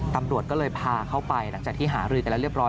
ตำรวจก็เลยพาเข้าไปหลังจากที่หารือกันแล้วเรียบร้อย